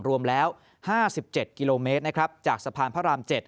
รวมแล้ว๕๗กิโลเมตรนะครับจากสะพานพระราม๗